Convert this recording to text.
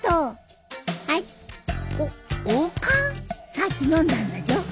さっき飲んだんだじょ。